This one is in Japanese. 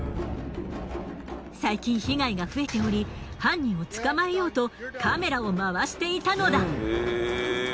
最近被害が増えており犯人を捕まえようとカメラを回していたのだ。